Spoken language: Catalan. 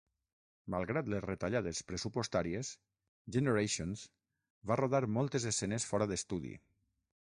Malgrat les retallades pressupostàries, "Generations" va rodar moltes escenes fora d'estudi.